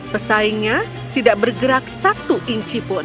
pesaingnya tidak bergerak satu inci pun